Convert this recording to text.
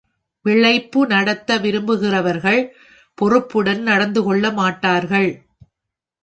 பிழைப்பு நடத்த விரும்புகிறவர்கள் பொறுப்புடன் நடந்துகொள்ள மாட்டார்கள்.